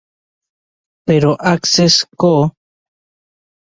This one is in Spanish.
Pero Access Co.